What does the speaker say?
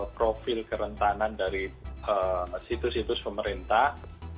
profil kerentanan dari situs situs pemerintah